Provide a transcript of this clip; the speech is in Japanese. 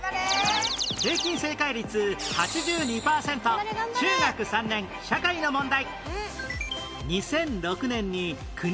平均正解率８２パーセント中学３年社会の問題